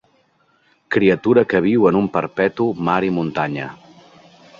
Criatura que viu en un perpetu mar i muntanya.